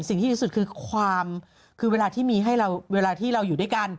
สิ่งที่ดีที่สุดคือความคือเวลาที่มีให้เราเวลาที่เราอยู่ด้วยกัน